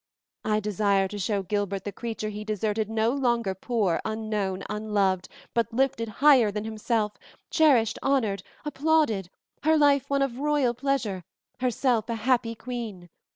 I desire to show Gilbert the creature he deserted no longer poor, unknown, unloved, but lifted higher than himself, cherished, honored, applauded, her life one of royal pleasure, herself a happy queen.